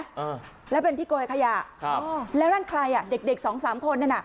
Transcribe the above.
เออแล้วเป็นที่โกยขยะครับอ๋อแล้วนั่นใครอ่ะเด็กเด็กสองสามคนนั่นน่ะ